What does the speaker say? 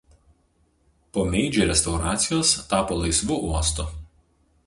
Po Meidži restauracijos tapo laisvu uostu.